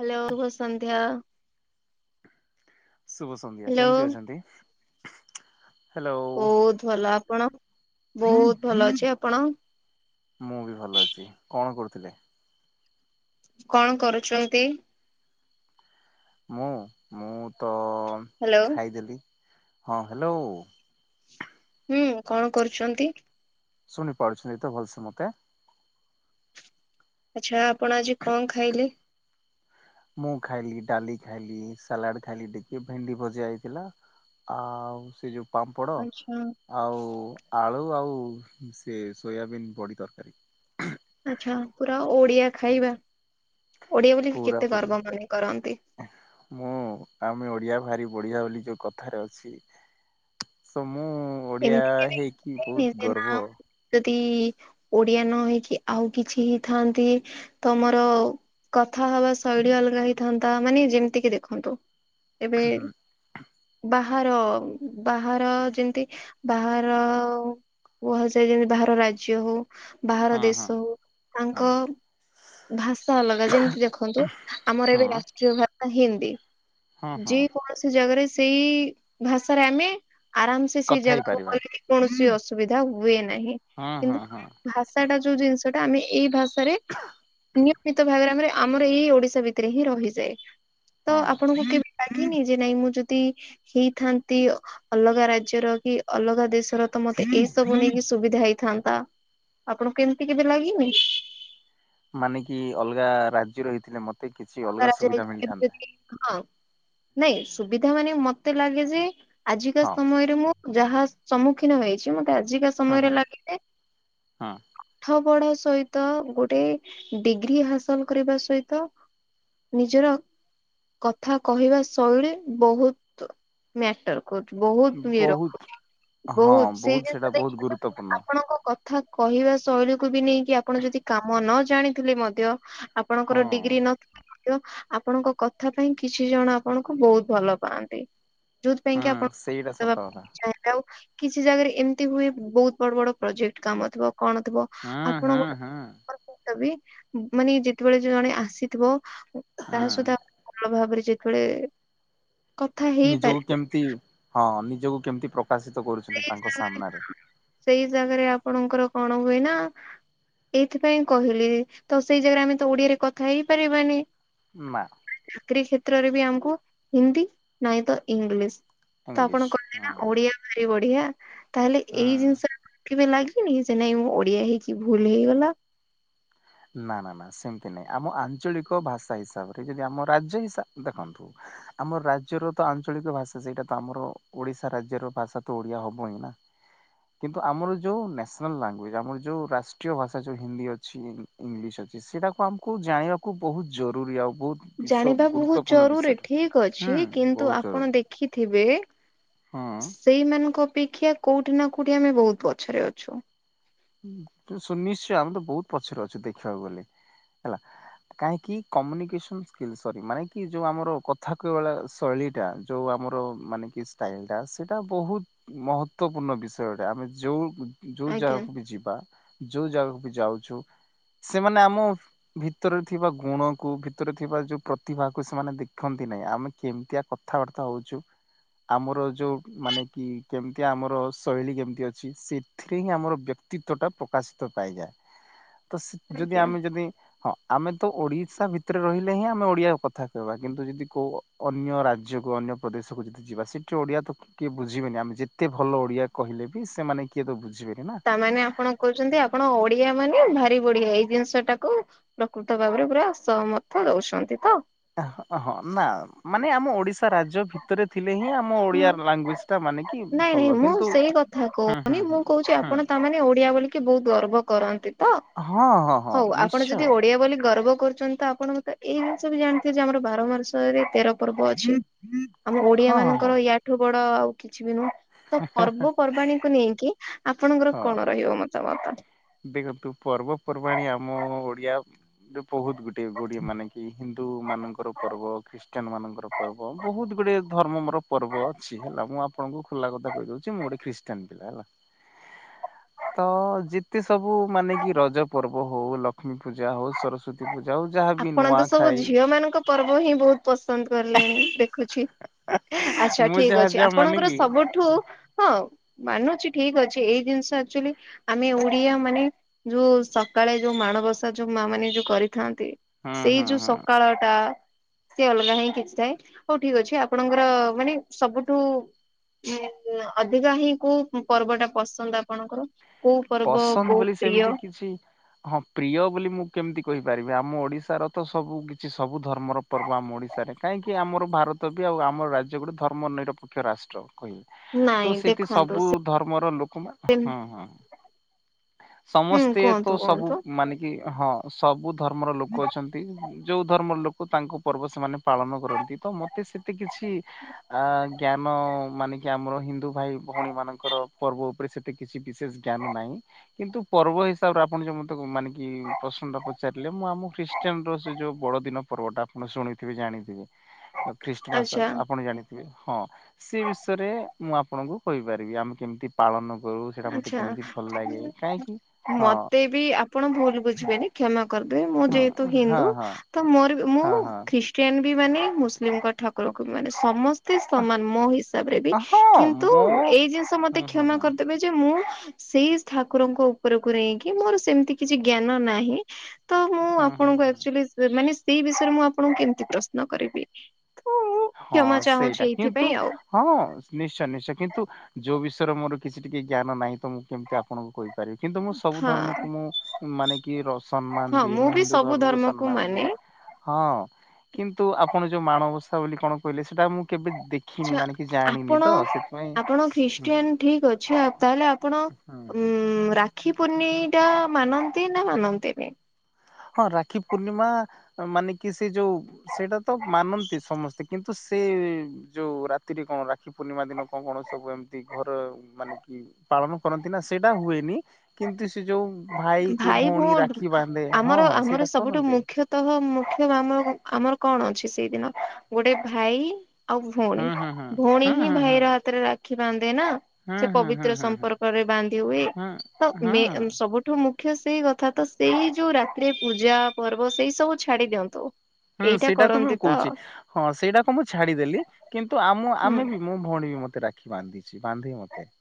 Hello ଶୁଭ ସନ୍ଧ୍ୟା। ଶୁଭ ସନ୍ଧ୍ୟା ହ୍ୟାଲୋ କେମିତି ଅଛନ୍ତି? ହ୍ୟାଲୋ ବହୁତ ଭଲ ଆପଣ ବହୁତ ଭଲ ଅଛି ଆପଣ? ମୁଁ ବି ଭଲ ଅଛି କଣ କରୁଥିଲେ? କଣ କରୁଛନ୍ତି? ମୁଁ ମୁଁ ତ ହ୍ୟାଲୋ ଖାଇଦେଲି ହଁ ହ୍ୟାଲୋ। ହୁଁ କଣ କରୁଛନ୍ତି? ଶୁଣିପାରୁଛନ୍ତି ତ ଭଲସେ ମତେ? ଆଚ୍ଛା ଆପଣ ଆଜି କଣ ଖାଇଲେ? ମୁଁ ଖାଇଲି ଡାଲି ଖାଇଲି ସାଲାଡ ଖାଇଲି ଟିକେ ଭେଣ୍ଡି ଭଜା ହେଇଥିଲା। ଆଉ ସେ ଯୁ ପାମ୍ପଡ଼ ଆଚ୍ଛା ଆଉ ଆଳୁ ଆଉ ସେ ସୋୟାବିନ୍ ବଡ଼ି ତରକାରୀ। ଆଚ୍ଛା ପୁରା ଓଡିଆ ଖାଇବା ଓଡିଆ ବୋଲି ପୁରା କେତେ ପୁରି ଗର୍ବ ମନେ କରନ୍ତି? ମୁଁ ଆମେ ଓଡିଆ ଭାରି ବଢିଆ ବୋଲି ଯୋଉ କଥାରେ ଅଛି। ସ ମୁଁ ଓଡିଆ ଏମିତି କେବେ ହେଇକି ହେଇନି ବହୁତ ଯେ ନା ଗର୍ବ ଯଦି ଓଡିଆ ନ ହେଇକି ଆଉ କିଛି ହେଇଥାନ୍ତି ତମର କଥା ହବା ଶୈଳୀ ଅଲଗା ହେଇଥାନ୍ତା ମାନେ ଯେମିତିକି ଦେଖନ୍ତୁ। ଏବେ ବାହାର ବାହାର ଯେମିତି ବାହାର କୁହାଯାଏ ଯେମିତି ବାହାର ରାଜ୍ୟ ହଉ। ବାହାର ହଁ ହଁ ଦେଶ ହଉ ହଁ ତାଙ୍କ ଭାଷା ଅଲଗା ଯେମିତି ଦେଖନ୍ତୁ ଆମର ଏବେ ହଁ। ରାଷ୍ଟ୍ରୀୟ ଭାଷା ହିନ୍ଦୀ ହଁ ହଁ ଯେ କୌଣସି ଜାଗାରେ ସେଇ ଭାଷାରେ ଆମେ ଆରାମ ସେଇ କଥା ଜାଗାକୁ ହେଇପାରିବା ଗଲେ କୌଣସି ଅସୁବିଧା ହୁଏ ନାହିଁ। ହଁ ହଁ କିନ୍ତୁ ହଁ। ଭାଷା ଟା ଯୋଉ ଜିନିଷ ଟା ଆମେ ଏଇ ଭାଷାରେ ନିୟମିତ ଭାବରେ ଆମେ ଆମର ଏଇ ଓଡିଶା ଭିତରେ ହିଁ ରହିଯାଏ ତ ହଁ ଆପଣଙ୍କୁ କେ ଲାଗିନି ଯେ ନାଇଁ ମୁଁ ଯଦି ହେଇଥାନ୍ତି ଅଲଗା ରା ଜ୍ୟର କି ଅଲଗା ଦେଶର ତ ମତେ ଏଇ ସବୁ ନେଇକି ସୁବିଧା ହେଇଥାନ୍ତା। ଆପଣଙ୍କୁ କେମିତି କେବେ ଲାଗିନି? ମାନେ କି ଅଲଗା ରାଜ୍ୟର ହେଇଥିଲେ ମ ଅଲଗା ରାଜ୍ୟ [inaudible] ହଁ। ନାଇଁ ସୁବିଧା ମାନେ ମତେ ଲାଗେ ଯେ ଆଜିକା ହଁ ସମୟରେ ମୁଁ ଯାହା ସମ୍ମୁଖୀନ ହେଇଚି। ମତେ ଆଜିକା ହଁ ସମୟରେ ହଁ ଲାଗେଜେ ହଁ ପାଠ ପଢ ସହିତ ଗୋଟେ ଡିଗ୍ରୀ ହାସଲ କରିବା ସହିତ ନିଜର କଥା କହିବା ଶୈଳୀ ବୋହୁତ ମ୍ୟାଟର ବୋହୁତ ଇଏ ବହୁତ ରଖୁଚି ହଁ ବୋହୁତ ସେଇ ବହୁତ ସେଇଟା ଜିନିଷ ବହୁତ ଦେଖିବା ତ ଗୁରୁତ୍ୱପୂର୍ଣ୍ଣ। ଆପଣଙ୍କ କ ଥା କହିବା ଶୈଳୀକୁ ବି ନେଇକି ଆପଣ ଯଦି କାମ ନ ଜାଣିଥିଲେ ମଧ୍ୟ ଆପଣଙ୍କର ହଁ ଡିଗ୍ରୀ ନ [unintelligible] ଆପଣଙ୍କ କଥା ପାଇଁ କିଛି ଜଣ ଆପଣଙ୍କୁ ବୋହୁତ ଭଲ ପାଆନ୍ତି। ଯୋଉଥି ପାଇଁ କି ହଁ ଆପଣ ସେଇଟା [inaudible] ସତ ଦବା କଥା। ପାଇଁ ଚାହିଁବେ ଆଉ କିଛି ଜାଗାରେ ଏମିତି ହୁଏ ବୋହୁତ ବଡ ବଡ ପ୍ରୋଜେକ୍ଟ କାମ ଥିବ କଣ ଥିବ। ହଁ ଆପଣ ହଁ ଗୋଟେ ହଁ। [unintelligible] ବି ମାନେ ଯେତେବେଳେ ଜଣେ ଆସିଥିବ ତା ହଁ ସହିତ ଆ ଭଲ ଭାବରେ ଯେତେବେଳେ କଥା ନିଜକୁ ହେଇପାରିବେ କେମିତି ହଁ ନିଜକୁ କେମିତି ପ୍ରକାଶିତ କରୁଚନ୍ତି ତାଙ୍କ ସାମ୍ନାରେ। ସେଇ ଜାଗାରେ ଆପଣଙ୍କର କଣ ହୁଏ ନା ଏଇଥିପାଇଁ କହିଲି ତ ସେଇ ଜାଗାରେ ଆମେ ତ ଓଡିଆରେ କଥା ହେଇପାରିବାନି। ନାଁ। ଚାକିରୀ କ୍ଷେତ୍ରରେ ବି ଆମକୁ ହିନ୍ଦୀ ନାଇଁ ତ ଇଂଲିଶ। ତ ଇଂଲିଶ ଆପଣ କହିଲେ ହଁ ନା ଓଡିଆ ଭାରି ବଢିଆ ତାହେଲେ ଏଇ ହଁ। ଜିନିଷରେ ଆପଣ [inaudible] କେବେ ଲାଗିନି ସେ ନାଇଁ ମୁଁ ଓଡିଆ ହେଇକି ଭୁଲ ହେଇଗଲା। ନା ନା ନା ସେମିତି ନାହିଁ ଆମ ଆଞ୍ଚଳିକ ଭାଷା ହିସାବରେ ଯଦି ଆମ ରାଜ୍ୟ ହିସା ଦେଖନ୍ତୁ। ଆମ ରାଜ୍ୟର ତ ଆଞ୍ଚଳିକ ଭାଷା ସେଇଟା ତ ଆମର ଓଡିଶା ରାଜ୍ୟର ଭାଷା ତ ଓଡିଆ ହବ ହିଁ ନା। କିନ୍ତୁ ଆମର ଯୋଉ ନ୍ୟାସନାଲ୍ ଲାଙ୍ଗୁଏଜ ଆମର ଯୋଉ ରାଷ୍ଟ୍ରୀୟ ଭାଷା ଯୋଉ ହିନ୍ଦୀ ଅଛି ଇଂଲିଶ ଅଛି ସେଇଟାକୁ ଆମକୁ ଜାଣିବାକୁ ବୋହୁତ ଜରୁରୀ ଆଉ ବୋହୁତ ଜାଣିବା ବୋହୁତ ଜରୁରୀ ଠିକ୍ ଅଛି ହୁଁ କିନ୍ତୁ ବହୁତ ଆପଣ ଜରୁରୀ ଦେଖିଥିବେ ହଁ। ସେଇମାନଙ୍କ ଅପେକ୍ଷା କୋଉଠି ନା କୋଉଠି ଆମେ ବୋହୁତ ପଛରେ ଅଛୁ। ସୁନିଶ୍ଚୟ ଆମେ ତ ବୋହୁତ ପଛରେ ଅଛୁ ଦେଖିବାକୁ ଗଲେ ହେଲା। କାହିଁକି କମ୍ୟୁନିକେସନ ସ୍କିଲ ସରି ମାନେ କି ଯୋଉ ଆମର କଥା କହିବାଳା ଶୈଳୀ ଟା ଯୋଉ ଆମର ମାନେ କି ଷ୍ଟାଇଲ ଟା ସେଟା ବୋହୁତ ମହତ୍ୱପୂର୍ଣ୍ଣ ବିଷୟଟେ ଆମେ ଯୋଉ ଯୋଉ ଆଜ୍ଞା ଯାଉ ଯିବା ଯୋଉ ଜାଗାକୁ ବି ଯାଉଚୁ ସେମାନେ ଆମ ଭିତରେ ଥିବା ଗୁଣକୁ ଭିତରେ ଥିବା ଯୋଉ ପ୍ରତିଭାକୁ ସେମାନେ ଦେଖନ୍ତି ନାହିଁ। ଆମେ କେମିତିଆ କଥାବାର୍ତ୍ତା ହୋଉଚୁ ଆମର ଯୋଉ ମାନେ କି କେମତି ଆମର ଶୈଳୀ କେମିତି ଅଛି ସେ ଥିରେ ହିଁ ଆମର ବ୍ୟକ୍ତିତ୍ବ ଟା ପ୍ରକାଶିତ ପାଇଯାଏ। ତ ସେ ଯଦି ଆଜ୍ଞା ଆମେ ଯଦି ହଁ ଆମେ ତ ଓଡିଶା ଭିତରେ ରହିଲେ ହିଁ ଆମେ ଓଡିଆ କଥା କହିବା କିନ୍ତୁ ଯଦି କୋଉ ଅନ୍ୟ ରାଜ୍ୟକୁ ଅନ୍ୟ ପ୍ରଦେଶକୁ ଯଦି ଯିବା ସେଠି ଓଡିଆ ତ କିଏ ବୁଝିବେନି ଆମେ ଯେତେ ଭଲ ଓଡିଆ କହିଲେ ବି ସେମାନେ କିଏ ତ ବୁଝିବେନି ନା। ତା ମାନେ ଆପଣ କୋହୁଚନ୍ତି ଆପଣ ଓଡିଆ ମାନେ ଭାରି ବଡିିଆ ଏଇ ଜିନିଷ ଟାକୁ ପ୍ରକୃତ ଭାବରେ ପୁରା ସହମର୍ଥ ଦୋଉଚନ୍ତି ତ। [unintelligible] ହ ହଁ ନା ମାନେ ଆମ ଓଡିଶା ରାଜ୍ୟ ଭି ତରେ ଥିଲେ ହିଁ ଆମ ହଁ ଓଡିଆ ଲାଙ୍ଗୁଏଜ ଟା ମାନେ କି ନାଇଁ ନାଇଁ ଭଲ ମୁଁ କିନ୍ତୁ ହୁଁ ହୁଁ ହୁଁ ହୁଁ। ତା ମାନେ ଓଡିଆ ବୋଲିକି ବୋହୁତ ଗର୍ବ କରନ୍ତି। ତ ହଁ ହଁ ହଁ ହଉ ଆପଣ ନିଶ୍ଚୟ ଯଦି ଓଡିଆ ବୋଲି ଗର୍ବ କରୁଛନ୍ତି ତ ଆପଣ ମତେ ଏଇ ଜିନିଷ ବି ଜାଣିଥିବେ ଯେ ଆମର ବାର ମାସରେ ତେର ପର୍ବ ଅଛି ଆମ ଓଡିଆ ହଁ ମାନ ହଁ ୟାଠୁ ବଡ ଆଉ କିଛି ବି ନୁହଁ ତ ହଁ ପର୍ବପର୍ବାଣୀକୁ ନେଇକି ଆପଣଙ୍କର ହଁ। କଣ ରହିବ ମତାମତ। ଦେଖନ୍ତୁ ପର୍ବପର୍ବାଣିୀ ଆମ ଓଡିଆ ଏ ବୋହୁତ ଗୋଟେ ଗୋଡିଏ ମାନେ କି ହିନ୍ଦୁ ମାନଙ୍କର ପର୍ବ ଖ୍ରୀଷ୍ଟିୟାନ ମାନଙ୍କର ପର୍ବ ବୋହୁତ ଗୁଡେ ଧର୍ମ ମୋର ପର୍ବ ଅଛି ହେଲା ମୁଁ ଆପଣଙ୍କୁ ଖୋଲା କଥା କହିଦଉଛି ମୁଁ ଗୋଟେ ଖ୍ରୀଷ୍ ଷ୍ଟିୟାନ୍ ପିଲା ହେଲା ତ ଏ ସବୁ ମାନେ କି ରଜ ପର୍ବ ହଉ ଲକ୍ଷ୍ମୀ ପୂଜା ହଉ ସରସ୍ଵତ ତୀ ପୂଜା ଯହା ବି ଆପଣ ତ ନୂଆ ସବୁ ଖାଇ ଝିଅ ମାନଙ୍କ ପର୍ବ ହିଁ ବୋହୁତ ପସନ୍ଦ କଲେଣି ଦେଖୁଛି। ଆଚ୍ଛା ମୁଁ ଠିକ ଯାହା ଅଛି ଯାହା ମାନେ ଆପଣଙ୍କର କି ସବୁଠୁ ହଁ। ମାନୁଚି ଠିକ ଅଛି ଏଇ ଜିନିଷ ଆକ୍ଚୁଆଲି ଆମେ ଓଡିଆ ମାନେ ଯୋଉ ସକାଳେ ଯୋଉ ମାଣବସା ଯୋଉ ମା ମାନେ ଯୋଉ କରିଥାନ୍ତି ହୁଁ ସେଇ ହୁଁ ଯୋଉ ହୁଁ ସକାଳ ଟା ସେ ଅଲଗା ହିଁ କିଛି ଥାଏ ହଉ ଠିକ ଅଛି ଆପଣଙ୍କର ମାନେ ସବୁଠୁ [unintelligible] ଅଧିକା ହିଁ କୋଉ ପର୍ବ ଟା ପସନ୍ଦ ଆପଣଙ୍କର କୋଉ ପର୍ବ ପସନ୍ଦ ବହୁତ ବୋଲି ସେମିତି ପ୍ରିୟ? କିଛି ହଁ ପ୍ରିୟ ବୋଲି ମୁଁ କେମିତି କହିପାରିବି ଆମ ଓଡିଶାର ତ ସବୁ କିଛି ସବୁ ଧର୍ମର ପର୍ବ ଆମ ଓଡ଼ିଶାରେ କାହିଁକି ଆମର ଭାରତ ତ ବି ଆଉ ଆମ ରାଜ୍ୟ ଗୋଟେ ଧର୍ମ ନିରପେକ୍ଷ ରାଷ୍ଟ୍ର କହିଲେ। ନାଇଁ ତ ସେଠି ଦେଖନ୍ତୁ ସବୁ ଧର୍ମର ଲୋକମାନେ ସେ ହୁଁ ହଁ। ହୁଁ ସମସ୍ତେ ତ କୁହନ୍ତୁ ସବୁ କୁହନ୍ତୁ ମାନେ କି ହଁ ସବୁ ଧର୍ମର ଲୋକ ଅଛନ୍ତି। ଯୋଉ ଧର୍ମର ଲୋକ ତାଙ୍କ ପର୍ବ ସେମାନେ ପାଳନ କରନ୍ତି ତ ମତେ ସେତେ କିଛି ଆ ଜ୍ଞାନ ମାନେ କି ଆମର ହିନ୍ଦୁ ଭାଇ ଭଉଣୀ ମାନଙ୍କର ପର୍ବ ଉପରେ ସେତେ କିଛି ବିଶେଷ ଜ୍ଞାନ ନାହିଁ। କିନ୍ତୁ ପର୍ବ ହିସାବରେ ଆପଣ ଯଉ ମ ମାନେ କି ପ୍ରଶ୍ନ ଟା ପଚାରିଲେ ମୁଁ ଆମ ଖ୍ରୀଷ୍ଟିୟନ ର ସେ ଯୋଉ ବଡ ଦିନ। ପର୍ବ ଟା ଆପଣ ଶୁଣିଥିବେ ଜାଣିଥିବେ ଖ୍ରୀଷ୍ଟମାସ ଆଚ୍ଛା ଆପଣ ଜାଣିଥିବେ। ହଁ ସେ ବିଷୟରେ ମୁଁ ଆପଣଙ୍କୁ କହିପାରିବି ଆମେ କେମିତି ପାଳନ କରୁ, ସେଇଟା ମତେ କେମିତି ଆଚ୍ଛା ଭଲ ଲାଗେ। କାହିଁକି ହଁ ମତେ ବି ଆପଣ ଭୁଲ ବୁଝିବେନି କ୍ଷମା କରିଦେ ମୁଁ ହଁ ଯେହେତୁ ହଁ ହିନ୍ଦୁ। ହଁ ତ ମୋର ମୁଁ ହଁ ହଁ। ଖ୍ରୀଷ୍ଟିଆନ ବି ମାନେ ମୁସଲିମଙ୍କ ଠାକୁରଙ୍କୁ ବି ମାନେ ସମସ୍ତ ମତେ ସମାନ ମୋ ହିସାବରେ ବି ହଁ କିନ୍ତୁ ମୋ ଏଇ ଜିନିଷ ମତେ ହଁ ହଁ କ୍ଷମା ହଁ କରିଦେବେ ଯେ ମୁଁ ସେଇ ଠାକୁରଙ୍କ ଉପରକୁ ନେଇକି ମୋର ସେମିତି କିଛି ଜ୍ଞାନ ନାହିଁ। ତ ମୁଁ ହଁ ହଁ ଆପଣଙ୍କୁ ହଁ। ଆକ୍ଚୁଆଲି ମାନେ ସେଇ ବିଷୟରେ ମୁଁ ଆପଣଙ୍କୁ କେମତି ପ୍ରଶ୍ନ କରିବି। ଉଁଉଁ କ୍ଷମା ହଁ ସେଇଟା ଚାହୁଁଛି କିନ୍ତୁ ଏଇଥିପାଇଁ ଆଉ। ହଁ ନିଶ୍ଚୟ ନିଶ୍ଚୟ କିନ୍ତୁ ଯୋଉ ବିଷୟରେ ମୋର କିଛି ଟିକେ ଜ୍ଞାନ ନାହିଁ ତ ମୁଁ କେମିତି ଆପଣଙ୍କୁ କହିବି। ରିବି କିନ୍ତୁ ମୁଁ ସବୁ ହଁ ଧର୍ମକୁ ମୁଁ ମାନେ କି ରସମ୍ମାନ ହଁ ଦିଏ ମୁଁ ବି ହିନ୍ଦୁ ସବୁ ଧର୍ମକୁ ସମ୍ମାନ ମାନେ ଦିଏ। ହଁ କିନ୍ତୁ ଆପଣ ଯୋଉ ମାଣବସା ବୋଲି କଣ କହିଲେ ସେଇଟା ମୁଁ କେବେ ଦେଖି ଆଛା ଆପଣ ଆପଣ ହୁଁ ହୁଁ ଖ୍ରୀଷ୍ଟିଆନ ଠିକ ଅଛି ଆ ତାହେଲେ ଆପଣ ହୁଁ ଉଁ ହୁଁ। ରାକ୍ଷୀ ପୂର୍ନେଇଁ ଟା ମାନନ୍ତି ନା ମାନନ୍ତିନି। ହଁ ରାକ୍ଷୀ ପୂର୍ଣ୍ଣିମା ମାନେ କି ସେ ଯୋଉ ସେଇଟା ତ ମାନନ୍ତି ସମସ୍ତେ କିନ୍ତୁ ସେ ଯୋଉ ରାତିରେ କଣ ରାକ୍ଷୀ ପୂର୍ଣ୍ଣିମା ଦିନ କଣ କଣ ସବୁ ଏମିତି ଘର ମାନେ କି ପାଳନ କରନ୍ତି ନା ସେଇଟା ହୁଏନି। କିନ୍ତୁ ସେ ଯୋଉ ଭାଇ କ ଭଉଣୀ ରାକ୍ଷୀ ବାନ୍ଧେ ହଁ ହଁ ସେଇଟା କରନ୍ତି ତଃ ମୁଖ୍ୟ ଆମ ଆମର କଣ ଅଛି ସେଇଦିନ ଗୋଟେ ଭାଇ ଆଉ ଭଉଣୀ ହୁଁ ହୁଁ ଭଉଣୀ ହୁଁ ହିଁ ହୁଁ ହୁଁ ଭାଇର ହାତରେ ରାକ୍ଷୀ ବାନ୍ଧେ ନା ହୁଁ ସେ ହୁଁ ହୁଁ ପବିତ୍ର ହୁଁ ହୁଁ ସମ୍ପର୍କରେ ବାନ୍ଧି ହୋଇ ତ ହୁଁ ହୁଁ ମେ ହୁଁ ସବୁଠୁ ମୁଖ୍ୟ ସେଇ କଥା ତ ସେଇ ଯୋଉ ରାତିରେ ପୂଜା ପର୍ବ ସେଇ ସବୁ ଛାଡି ଦିଅନ୍ତୁ। ହୁଁ ଏଇଟା ସେଇଟା ତ ମୁଁ କରନ୍ତି କହୁଚି। ହଁ ସେଇଟାକ ମୁଁ ଛାଡିଦେଲି କିନ୍ତୁ ଆମ ହୁଁ। ଆମେ ବି ମୋ ଭଉଣୀ ବି ମତେ ରାଖି ଖି ବାନ୍ଧିଛି ବାନ୍ଧେ ମତେ।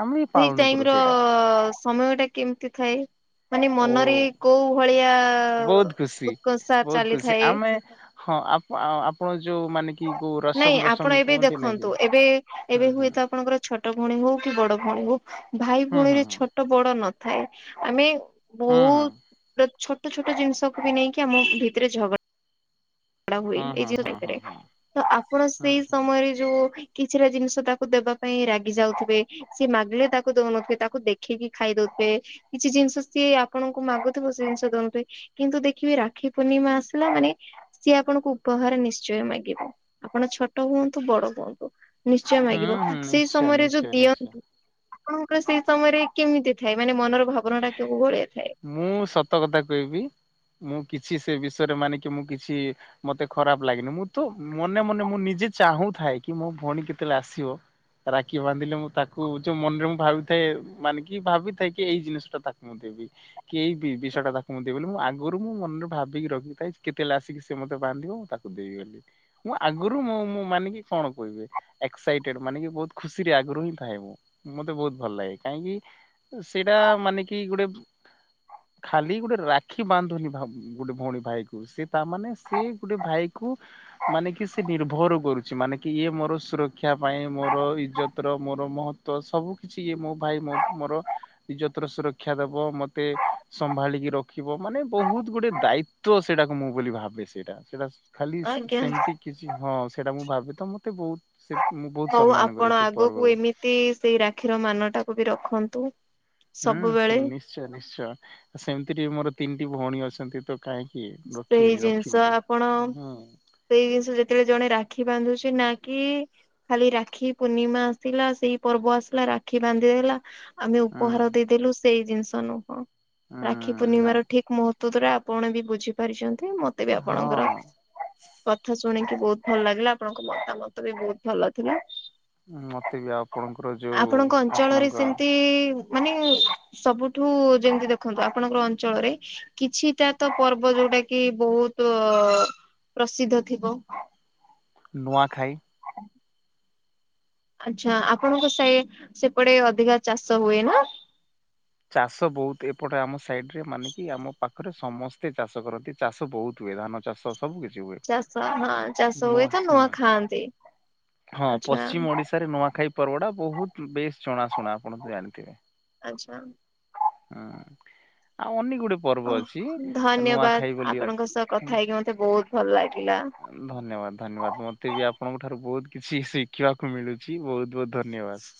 ଆମେ ବି ସେଇ ପାଳନ କରୁ ଟାଇମ ର ସେଇଟା ସମୟ ଟା କେମିତି ଥାଏ? ମାନେ ମନରେ ଓ କୋଉ ଭଳିଆ ବହୁତ ଖୁସି ଉତ୍କର୍ଷା ବହୁତ ଖୁସି ଚାଲିଥାଏ? ଆମେ ହଁ ଆପ ଆପଣ ଯୋଉ ମାନି କି? କୋଉ ନାଇଁ ରସମ ଆପଣ ରସମ ଏବେ କୁହନ୍ତି ନାଇଁ କି ଦେଖନ୍ତୁ ଏବେ ହଁ ଏବେ ହଁ ହୁଏତ ଆପଣଙ୍କର ଛୋଟ ଭଉଣୀ ହଉ କି ବଡ ଭଉଣୀ ହଉ ଭାଇ ହୁଁ ଭଉଣୀରେ ଛୋଟ ବଡ ନଥାଏ ଆମେ ହଁ ହଁ। ଗୋଟ ଛୋଟ ଛୋଟ ଜିନିଷକୁ ବି ନେଇକି ଆମ ଭିତରେ ଝଗଡ଼ା ଛାଡ଼ ହୁଏ ଏଇ ହୁଁ ଜିନିଷ ହଁ ହଁ ଲରେ ହଁ ହଁ ହଁ ତ ଆପଣ ହଁ ସେଇ ହଁ ସମୟରେ ଯୋଉ କିଛିଟା ଜିନିଷ ତାକୁ ଦେବା ପାଇଁ ରାଗି ଯାଉଥିବେ ସିଏ ମାଗିଲେ ତାକୁ ଦଉନଥିବେ ତାକୁ ଦେଖେଇକି ଖାଇ ଦଉଥିବେ କିଛି ଜିନିଷ ସିଏ ଆପଣଙ୍କୁ ମାଗୁଥିବ ସେ ଜିନିଷ ଦଉ ନଥିବେ କିନ୍ତୁ ଦେଖିବେ ରାକ୍ଷୀ ପୂର୍ଣ୍ଣିମା ଆସିଲା ମାନେ ସିଏ ଆପଣଙ୍କୁ ଉପହାର ନିଶ୍ଚୟ ମାଗିବ ଆପଣ ଛୋଟ ହୁଅନ୍ତୁ ବଡ ହୁଅନ୍ତୁ। ନିଶ୍ଚୟ ମାଗିବ ହୁଁ ହୁଁ ସେଇ ନିଶ୍ଚୟ ସମୟରେ ଯୋଉ ନିଶ୍ଚୟ ଦିଅ ନିଶ୍ଚୟ ଆପଣଙ୍କର ସେଇ ସମୟରେ କେମିତି ଥାଏ ମାନେ ମନର ଭାବନା ଟା କୋଉ ଭଳିଆ ଥାଏ? ମୁଁ ସତ କଥା କହିବି ମୁଁ କିଛି ସେ ବିଷୟରେ ମାନିକି ମୁଁ କିଛି ମତେ ଖରାପ ଲାଗେନି ମୁଁ ତ ମନେ ମନେ ମୁଁ ନିଜେ ଚାହୁଁଥାଏ କି ମୋ ଭଉଣୀ କେତେବେଳେ ଆସିବ? ରାକ୍ଷୀ ବାନ୍ଧିଲେ ମୁଁ ତାକୁ ଯୋଉ ମନରେ ମୁଁ ଭାବିଥାଏ ମାନେ କି ଭାବିଥାଏ କି ଏଇ ଜିନିଷ ତ ତାକୁ ମୁଁ ଦେବି। କେହି ବି ବିଷୟ ଟା ତାକୁ ମୁଁ ଦିବି ବୋଲି ମୁଁ ଆଗରୁ ମୁଁ ମନରେ ଭାବିଖିଥାଏ କେତେବେଳେ ଆସିକି ମତେ ବାନ୍ଧିବ ମୁଁ ତାକୁ ମୁଁ ଆଗରୁ ମୁଁ ମାନିକି କଣ କହିବି ଏକ୍ସାଇଟେଡ ମାନେ କି ବହୁତ ଖୁସି ରେ ଆଗରୁ ହିଁ ଥାଏ ମୁଁ ମତେ ବହୁତ ଭଲ ଲାଗେ କାହିଁକି ସେଇଟା ମାନେ କି ଗୋଟେ ଖାଲି ଗୋଟେ ରାକ୍ଷୀ ବାନ୍ଧୁନି ଭା ଗୋଟେ ଭଉଣୀ ଭାଇ କୁ ସେ ତାମାନେ ସେ ଗୋଟେ ଭାଇ କୁ ମାନେ କି ସେ ନିର୍ଭର କରୁଛି ମାନେ କି ଇଏ ମୋର ସୁରକ୍ଷା ପାଇଁ ମୋର ଇଜ୍ଜତର ମୋର ମହ ତ ସବୁ କିଛି ଇଏ ମୋ ଭାଇ ମୋ ମୋର ଇଜତର ସୁରକ୍ଷା ଦବ ମତେ ସମ୍ଭାଳିକି ରଖିବ ମାନେ ବହୁତ ଗୁଡ଼େ ଦାଇତ୍ୱ ସେଇଟାକୁ ମୁଁ ବୋଲି ଭାବେ ସେଇଟା ସେଇଟା ଖାଲି ଆଜ୍ଞା ସେମିତି କିଛି ହଁ ସେଇଟା ମୁଁ ଭାବେ ତ ମତେ ବହୁତ ସେ ମୁଁ ବହୁତ ସମ୍ମାନ କରେ ସେ ପର୍ବକୁ ତି ସେ ରାକ୍ଷୀର ମାନଟାକୁ ବି ରଖନ୍ତୁ। ହୁଁ ସୁ ସବୁବେଳେ ନିଶ୍ଚୟ ନିଶ୍ଚୟ ସେମିତିରେ ମୋର ତିନିଟି ଭଉଣୀ ଅଛନ୍ତି ତ କାହିଁକି ସେଇ ରଖିବିନି ଜିନିଷ ରଖିବି ଆପଣ ହୁଁ। ସେଇ ଜିନିଷ ଯେତେବେଳେ ଜଣେ ରାକ୍ଷୀ ବାନ୍ଧୁଛି ନା କି ଖାଲି ରାକ୍ଷୀ ପୂର୍ଣ୍ଣିମା ଆସିଲା ସେଇ ପର୍ବ ଆସିଲା ରାକ୍ଷୀ ବାନ୍ଧି ଦେଲା ଆମେ ହୁଁ ଉପହାର ଦେଇଦେଲୁ ସେଇ ଜିନିଷ ନୁହଁ ରାକ୍ଷୀ ହୁଁ ନା ପୂର୍ଣ୍ଣିମ ର ଠିକ ମହତ୍ୱ ତୁରା ଆପଣ ବି ବୁଝି ପାରିଛନ୍ତି ମତେ ବି ହଁ। ଆପଣଙ୍କର କଥା ଶୁଣିକି ବହୁତ ଭଲ ଲାଗିଲା ଆପଣଙ୍କ ମତାମତ ବି ବହୁତ ଭଲ ଥିଲା। ମତେ ବି ଆପଣଙ୍କର ଯୋଉ ଆପଣଙ୍କ ଅଞ୍ଚଳରେ ଆପଣଙ୍କ ସେମିତି ମାନେ ସବୁଠୁ ଯେମିତି ଦେଖନ୍ତୁ ଆପଣଙ୍କର ଅଞ୍ଚଳରେ କିଛିଟା ତ ପ ର୍ବ ଯୋଉଟା କି ବହୁତ ପ୍ରସିଦ୍ଧ ଥିବ? ନୂଆଁ ଖାଇ। ଆଛା ଆପଣଙ୍କ ସେ ସେପଟେ ଅଧିକା ଚାଷ ହୁଏ ନା? ଚାଷ ବହୁତ ଏପଟେ ଆମ ସାଇଡ ରେ ମାନେ କି ଆମ ପାଖରେ ସମସ୍ତେ ଚାଷ କରନ୍ତି। ଚାଷ ବହୁତ ହୁଏ ଧାନ ଚାଷ। ସବୁ କିଛି ହୁଏ। ଚାଷ ହଁ ଚାଷ ହୁଏ ତ ନୂଆ ଖାଆନ୍ତି। ହ ହଁ ଆଚ୍ଛା ପଶ୍ଚିମ ଓଡିଶାରେ ନୂଆଖାଇ ପର୍ବଟା ବହୁତ ବେଶ ଜଣାଶୁଣା ଆପଣ ଜାଣିଥିବେ। ଆଚ୍ଛା। ହୁଁ ଆଉ [unintelligible] ଓ ଧନ୍ୟବାଦ୍, ନୂଆଖାଇ ବୋଲି ଆପଣଙ୍କ ସହ ଅଛି। କଥା ହେଇକି ମତେ ବହୁତ୍ ଭଲ ଲାଗିଲା। ଧନ୍ୟବାଦ୍-ଧନ୍ୟବାଦ୍ ମତେ ବି ଆପଣଙ୍କ ଠାରୁ ବହୁତ୍ କିଛି ଶିଖିବାକୁ ମିଳୁଛି ବହୁତ୍-ବହୁତ୍ ଧନ୍ୟବାଦ୍।